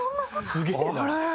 すげえな！